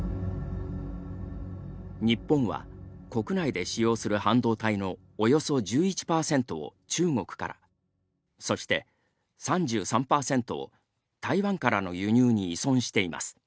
日本は国内で使用する半導体のおよそ１１％を中国からそして３３％を台湾からの輸入に依存しています。